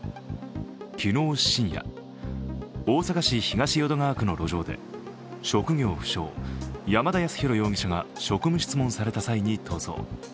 昨日深夜、大阪市東淀川区の路上で職業不詳・山田康裕容疑者が職務質問された際に逃走。